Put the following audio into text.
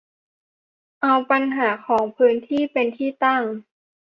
เอาปัญหาของพื้นที่เป็นที่ตั้ง